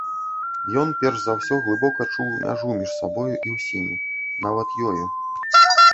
Ён перш за ўсё глыбока чуў мяжу між сабою і ўсімі, нават ёю.